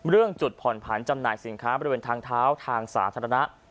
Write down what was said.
เรื่องจุดผ่อนผันจำหน่ายสินค้าบริเวณทางเท้าทางสาธารณะ